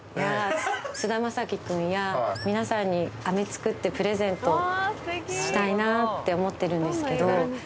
皆さんにあめ作ってプレゼントしたいなって思ってるんですけど。